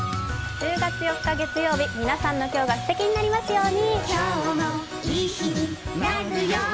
１０月４日月曜日、皆さんの一日がすてきになりますように。